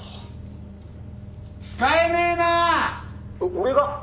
「俺が？